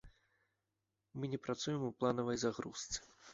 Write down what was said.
Мы не працуем у планавай загрузцы.